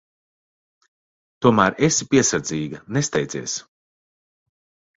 Tomēr esi piesardzīga. Nesteidzies.